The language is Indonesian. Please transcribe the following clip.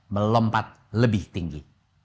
melompat lebih tinggi